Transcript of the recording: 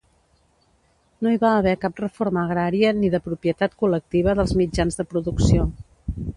No hi va haver cap reforma agrària ni de propietat col·lectiva dels mitjans de producció.